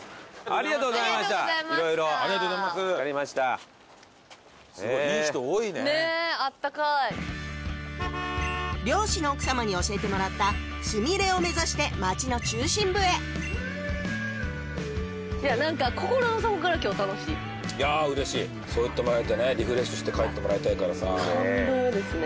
ありがとうございましたありがとうございますすごいいい人多いねねえ温かい漁師の奥さまに教えてもらった「すみれ」を目指して町の中心部へいや何かいやうれしいそう言ってもらえてねリフレッシュして帰ってもらいたいからさあ感動ですね